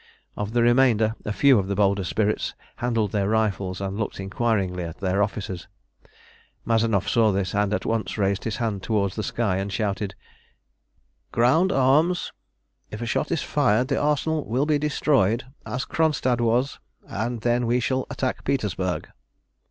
Of the remainder a few of the bolder spirits handled their rifles and looked inquiringly at their officers. Mazanoff saw this, and at once raised his hand towards the sky and shouted "Ground arms! If a shot is fired the Arsenal will be destroyed as Kronstadt was, and then we shall attack Petersburg."